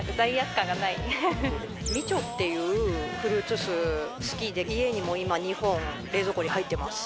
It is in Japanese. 美酢っていうフルーツ酢好きで家にも今２本冷蔵庫に入ってます。